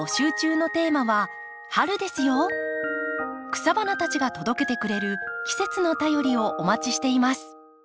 草花たちが届けてくれる季節の便りをお待ちしています。